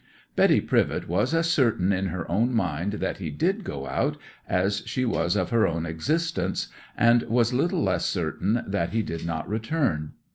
'Betty Privett was as certain in her own mind that he did go out as she was of her own existence, and was little less certain that he did not return.